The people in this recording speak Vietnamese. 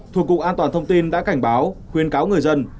thuộc cục an toàn thông tin đã cảnh báo khuyên cáo người dân